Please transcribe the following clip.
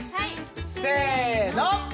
せの！